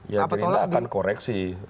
ya gerindra akan koreksi